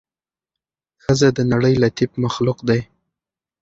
ښځه د نړۍ لطيف مخلوق دې